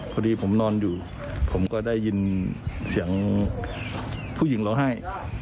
พอดีผมนอนอยู่ผมก็ได้ยินเสียงผู้หญิงร้องไห้